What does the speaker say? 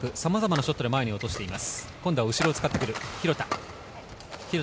鋭角、やわらかく、さまざまなショットで前に落としています。